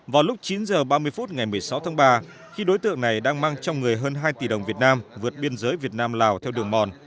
vào lúc chín h ba mươi phút ngày một mươi sáu tháng ba khi đối tượng này đang mang trong người hơn hai tỷ đồng việt nam vượt biên giới việt nam lào theo đường mòn